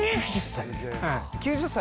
９０歳？